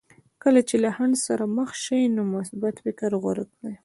کله چې له خنډ سره مخ شئ نو مثبت فکر غوره کړئ.